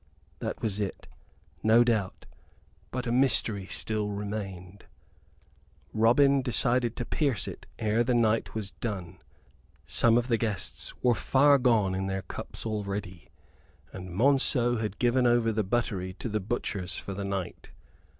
That was it, no doubt; but a mystery still remained. Robin decided to pierce it ere the night was done. Some of the guests were far gone in their cups, already; and Monceux had given over the buttery to the butchers for the night.